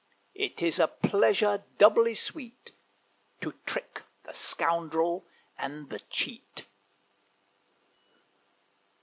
It is a pleasure doubly sweet To trick the scoundrel and the cheat.